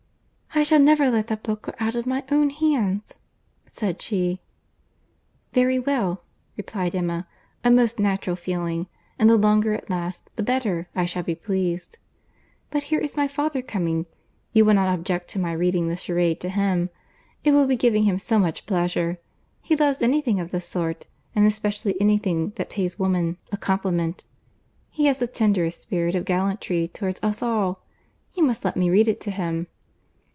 "I shall never let that book go out of my own hands," said she. "Very well," replied Emma; "a most natural feeling; and the longer it lasts, the better I shall be pleased. But here is my father coming: you will not object to my reading the charade to him. It will be giving him so much pleasure! He loves any thing of the sort, and especially any thing that pays woman a compliment. He has the tenderest spirit of gallantry towards us all!—You must let me read it to him."